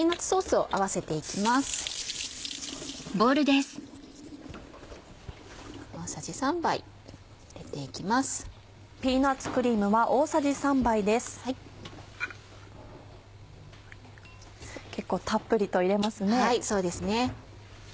そうですね。